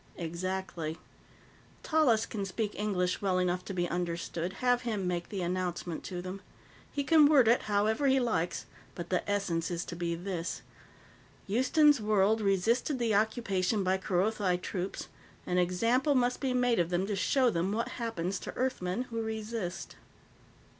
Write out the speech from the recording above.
"Exactly. Tallis can speak English well enough to be understood. Have him make the announcement to them. He can word it however he likes, but the essence is to be this: Houston's World resisted the occupation by Kerothi troops; an example must be made of them to show them what happens to Earthmen who resist."